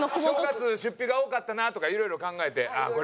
正月出費が多かったなとかいろいろ考えてああ